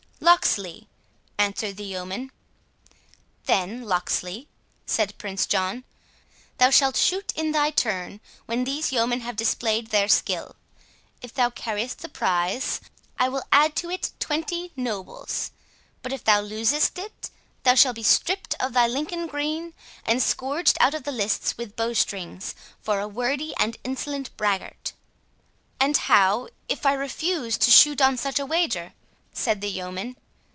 "Locksley," answered the yeoman. "Then, Locksley," said Prince John, "thou shalt shoot in thy turn, when these yeomen have displayed their skill. If thou carriest the prize, I will add to it twenty nobles; but if thou losest it, thou shalt be stript of thy Lincoln green, and scourged out of the lists with bowstrings, for a wordy and insolent braggart." "And how if I refuse to shoot on such a wager?" said the yeoman.